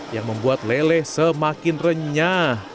yang membuat lele semakin renyah